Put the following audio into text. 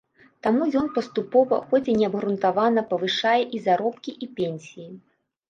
Таму ён паступова, хоць і неабгрунтавана, павышае і заробкі, і пенсіі.